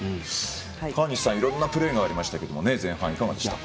川西さん、いろんなプレーがありましたけど、前半いかがですか？